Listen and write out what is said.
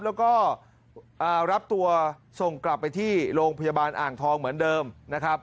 แล้วก็รับตัวส่งกลับไปที่โรงพยาบาลอ่างทองเหมือนเดิมนะครับ